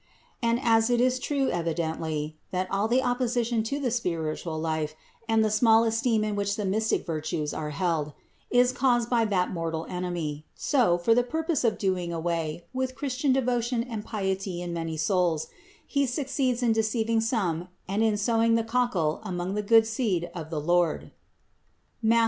And as it is true evidently, that all the opposition to the spiritual life and the small esteem in which the mystic virtues are held, is caused by that mortal enemy, so, for the purpose of doing away with Christian devotion and piety in many souls, he succeeds in deceiving some and in sowing the cockle among the good seed of the Lord (Matth.